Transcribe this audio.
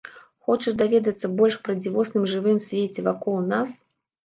Хочаш даведацца больш пра дзівосным жывым свеце вакол нас?